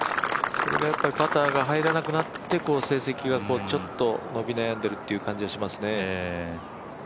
それがやっぱりパターが入らなくなって成績がちょっと伸び悩んでいるという感じはしますね。